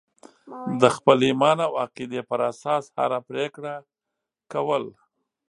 د خپل ایمان او عقیدې پر اساس هره پرېکړه کول.